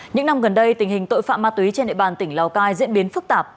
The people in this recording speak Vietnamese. những năm gần đây tình hình tội phạm ma túy trên địa bàn tỉnh lào cai diễn biến phức tạp